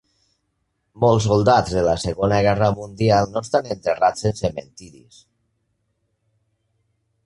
Molts soldats de la II Guerra Mundial no estan enterrats en cementiris.